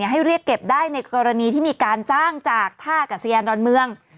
ให้เรียกเก็บได้ในกรณีที่มีการจ้างจากท่ากัศยานดอนเมือง